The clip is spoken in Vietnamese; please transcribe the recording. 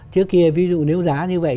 trước kia ví dụ nếu giá như vậy